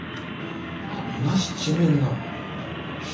何が七面なんだと。